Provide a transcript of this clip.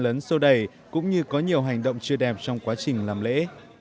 lễ khai ấn sâu đầy cũng như có nhiều hành động chưa đẹp trong quá trình làm lễ